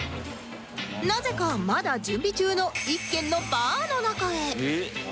なぜかまだ準備中の一軒のバーの中へ